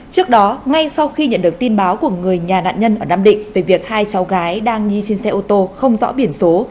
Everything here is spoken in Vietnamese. trước đó ngay sau khi nhận được tin báo của người nhà nạn nhân ở nam định về việc hai cháu gái đang nghi trên xe ô tô không rõ biển số